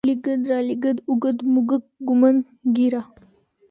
لېږد، رالېږد، اوږد، موږک، ږمنځ، ږيره